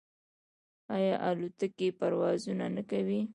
آیا الوتکې پروازونه نه کوي؟